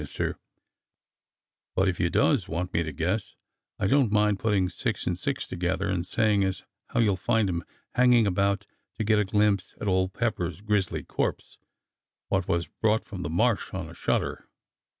Mis ter, but if you does want me to guess I don't mind putting six and six together and saying as how you'll find 'em hanging about to get a glimpse at old Pepper's grizzly corpse, wot was brought from the Marsh on a shutter."